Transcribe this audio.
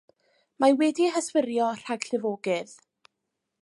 Mae wedi'i hyswirio rhag llifogydd.